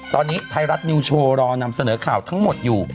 ตอนนี้ไทยรัฐนิวโชว์รอนำเสนอข่าวทั้งหมดอยู่